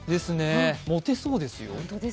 モテそうですよ。